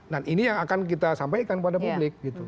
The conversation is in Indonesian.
dan ini yang akan kita sampaikan pada publik